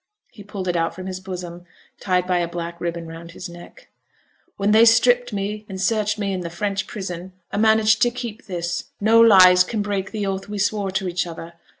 He pulled it out from his bosom, tied by a black ribbon round his neck. 'When they stripped me and searched me in th' French prison, I managed to keep this. No lies can break the oath we swore to each other.